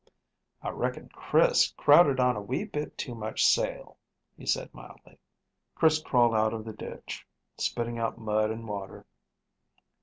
"I reckon Chris crowded on a wee bit too much sail," he said mildly. Chris crawled out of the ditch, spitting out mud and water.